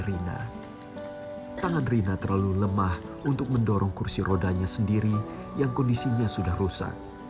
rina tangan rina terlalu lemah untuk mendorong kursi rodanya sendiri yang kondisinya sudah rusak